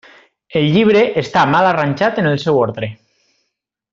El llibre està mal arranjat en el seu ordre.